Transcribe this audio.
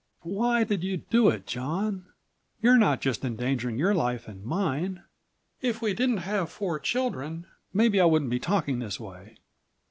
"Why did you do it, John? You're not just endangering your life and mine. If we didn't have four children ... maybe I wouldn't be talking this way."